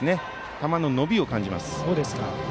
球の伸びを感じます。